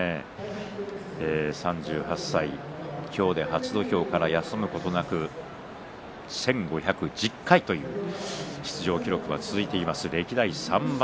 ３８歳今日で初土俵から休むことなく１５１０回という出場記録が続いています